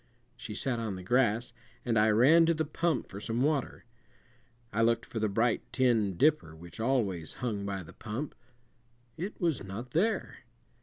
She sat on the grass, and I ran to the pump for some water. I looked for the bright tin dipper which always hung by the pump. It was not there.